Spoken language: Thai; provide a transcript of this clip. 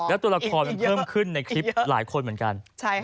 แล้วตัวละครมันเพิ่มขึ้นในคลิปหลายคนเหมือนกัน